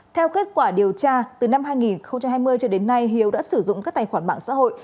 theo kết quả điều tra từ năm hai nghìn hai mươi cho đến nay hiếu đã sử dụng các tài khoản mạng xã hội